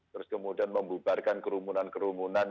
terus kemudian membubarkan kerumunan kerumunan